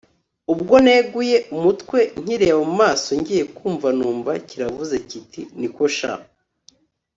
ubwo neguye umutwe nkireba mumaso ngiye kumva numva kiravuze kiti niko sha